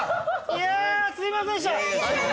いやあすいませんでした！